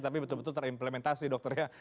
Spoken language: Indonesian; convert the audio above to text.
tapi betul betul terimplementasi dokter ya